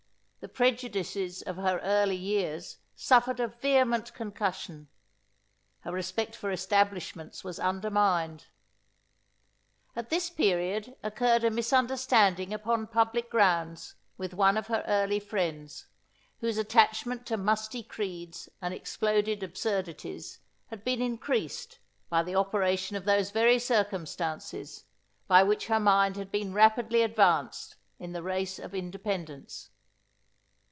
The prejudices of her early years suffered a vehement concussion. Her respect for establishments was undermined. At this period occurred a misunderstanding upon public grounds, with one of her early friends, whose attachment to musty creeds and exploded absurdities, had been increased, by the operation of those very circumstances, by which her mind had been rapidly advanced in the race of independence.